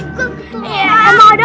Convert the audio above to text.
sakit tau ngagukinnya